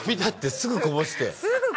すぐこぼして。